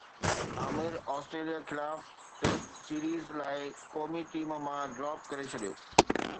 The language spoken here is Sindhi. عامر آسٽريليا خلاف ٽيسٽ سيريز لاءِ قومي ٽيم مان ڊراپ ڪري ڇڏيو